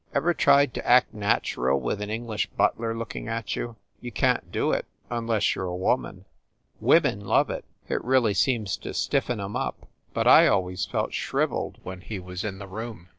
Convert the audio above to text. Ever tried to act natural with an English butler looking at you? You can t do it, unless you re a woman. Women love it it really seems to stiffen em up but I always felt shriveled when he was in the room.